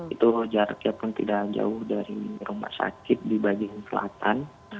itu jaraknya pun tidak jauh dari rumah sakit di bagian selatan